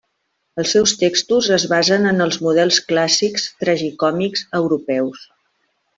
Els seus textos es basen en els models clàssics tragicòmics europeus.